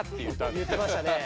言ってましたね。